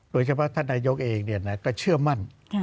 โดยเฉพาะท่านนายกเองก็เชื่อมั่น